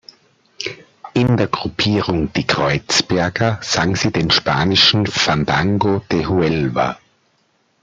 In der Gruppierung "Die Kreuzberger" sang sie den spanischen "Fandango de Huelva.